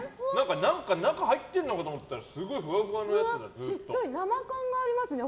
何か中に入ってるのかと思ったらすごい、ふわふわのやつだ。